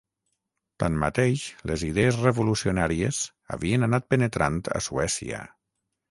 Tanmateix les idees revolucionàries havien anat penetrant a Suècia.